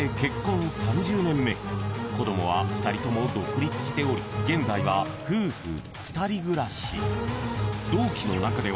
［子供は２人とも独立しており現在は夫婦２人暮らし］